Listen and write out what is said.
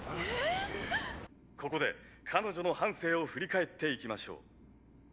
「ここで彼女の半生を振り返っていきましょう」。